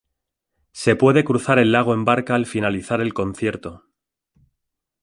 Se puede cruzar el lago en barca al finalizar el concierto.